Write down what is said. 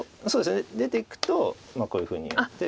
出ていくとこういうふうになって。